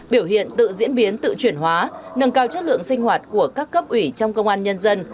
biểu hiện tự diễn biến tự chuyển hóa nâng cao chất lượng sinh hoạt của các cấp ủy trong công an nhân dân